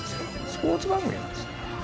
スポーツ番組なんです。